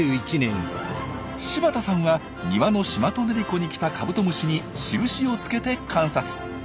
柴田さんは庭のシマトネリコに来たカブトムシに印をつけて観察。